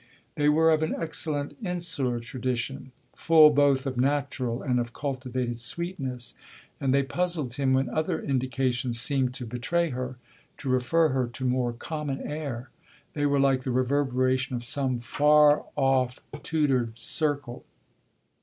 They were of an excellent insular tradition, full both of natural and of cultivated sweetness, and they puzzled him when other indications seemed to betray her to refer her to more common air. They were like the reverberation of some far off tutored circle.